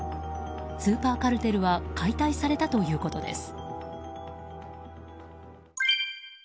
スーパーカルテルは解体されたということです。